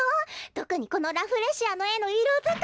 とくにこのラフレシアのえのいろづかい。